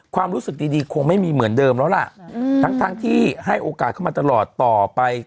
ความรู้สึกดีคงไม่มีเหมือนเดิมแล้วล่ะทั้งที่ให้โอกาสเข้ามาตลอดต่อไป